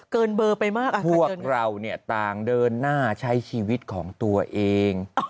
เกินเบอร์ไปมากอ่ะพวกเราเนี่ยต่างเดินหน้าใช้ชีวิตของตัวเอง